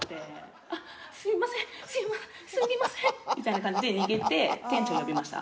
「あっすみませんすみません」みたいな感じで逃げて店長呼びました。